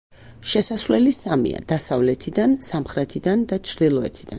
შესასვლელი სამია: დასავლეთიდან, სამხრეთიდან და ჩრდილოეთიდან.